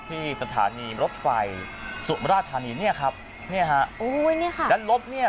ที่สถานีรถไฟสุมราชธานีเนี่ยครับเนี่ยฮะโอ้ยเนี่ยค่ะด้านลบเนี่ย